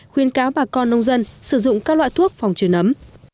khuyên cáo bà con nông dân sử dụng các loại thuốc phòng trừ nấm